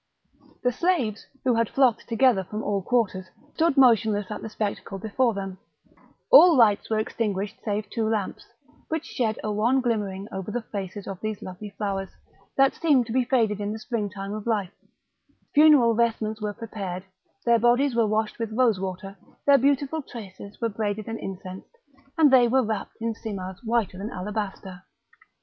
The slaves, who had flocked together from all quarters, stood motionless at the spectacle before them; all lights were extinguished save two lamps, which shed a wan glimmering over the faces of these lovely flowers, that seemed to be faded in the spring time of life; funeral vestments were prepared, their bodies were washed with rose water, their beautiful tresses were braided and incensed, and they were wrapped in simars whiter than alabaster.